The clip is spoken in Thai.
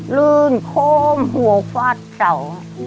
ลื่นโค้งหัวฟาดเต๋า